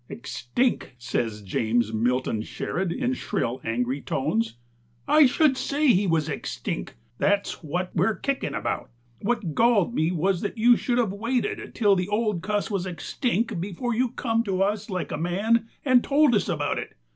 "Extinck!" says James Milton Sherrod, in shrill, angry tones. "I should say he was extinck. That's what we're kickin' about. What gallded me was that you should of waited till the old cuss was extinck before you come to us like a man and told us about it.